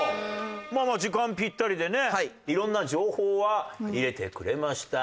まあまあ時間ピッタリでね色んな情報は入れてくれました。